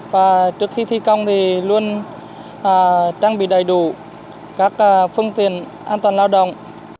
và trước khi thi công thì luôn trang bị đầy đủ các phương tiện an toàn lao động